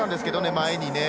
前にね。